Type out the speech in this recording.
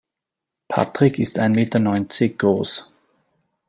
Patrick ist ein Meter neunzig groß.